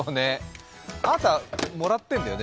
あなた、もらってるんだよね